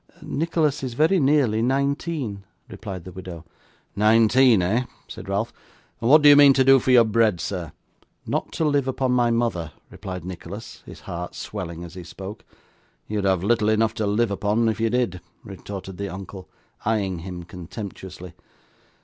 'Nicholas is very nearly nineteen,' replied the widow. 'Nineteen, eh!' said Ralph; 'and what do you mean to do for your bread, sir?' 'Not to live upon my mother,' replied Nicholas, his heart swelling as he spoke. 'You'd have little enough to live upon, if you did,' retorted the uncle, eyeing him contemptuously.